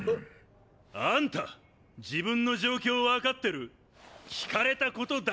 あんた自分の状況分かってる⁉聞かれたことだけに答えて！